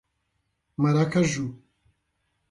Maracaju